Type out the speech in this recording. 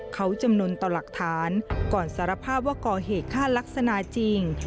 เขาจำนวนต่อหลักฐานก่อนสารภาพว่าก่อเหตุฆ่าลักษณะจริง